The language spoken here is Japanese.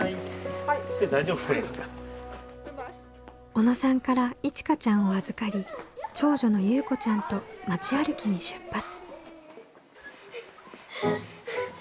小野さんからいちかちゃんを預かり長女のゆうこちゃんと町歩きに出発。